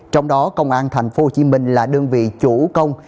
trong đó công an thành phố hồ chí minh là đơn vị chủ công